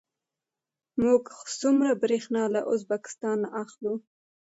موږ څومره بریښنا له ازبکستان اخلو؟